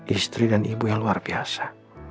istri dan ibu yang luar biasa